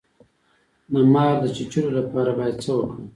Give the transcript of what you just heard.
د مار د چیچلو لپاره باید څه وکړم؟